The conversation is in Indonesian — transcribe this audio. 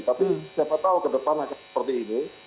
tapi siapa tahu ke depan akan seperti ini